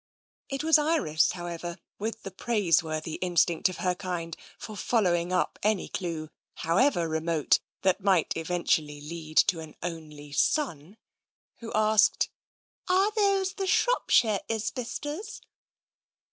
It was Iris, however, with the praiseworthy instinct of her kind for following up any clue, however remote, that might eventually lead to an only son, who asked :" Are those the Shropshire Isbisters